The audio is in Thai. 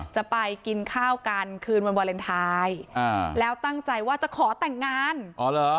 จะไปกินข้าวกันคืนวันวาเลนไทยอ่าแล้วตั้งใจว่าจะขอแต่งงานอ๋อเหรอ